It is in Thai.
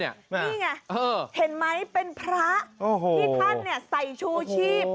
นี่ไงเห็นไหมเป็นพระที่ท่านใส่ชูชีพ